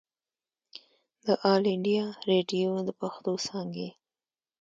د آل انډيا ريډيو د پښتو څانګې